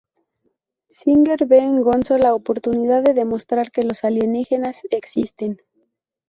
Singer ve en Gonzo la oportunidad de demostrar que los alienígenas existen.